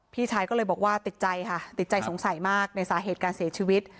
พี่ชายก็เลยบอกว่าติดใจค่ะติดใจสงสัยมากในสาเหตุการเสียชีวิต